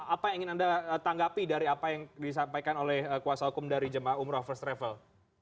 apa yang ingin anda tanggapi dari apa yang disampaikan oleh kuasa hukum dari jemaah umroh first travel